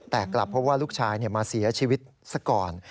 แต่กลับเพราะว่าลูกชายมาเสียชีวิตซะก่อน